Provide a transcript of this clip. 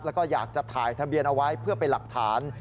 แล้วก็อยากจะถ่ายทะเบียนเอาไว้เพื่อเป็นหลักฐาน